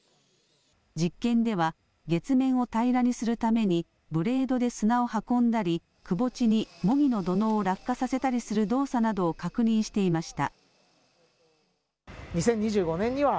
実験では月面を平らにするためにブレードで砂を運んだりくぼ地に模擬の土のうを落下させたりする動作などを確認していました。